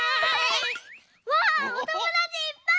わあおともだちいっぱい！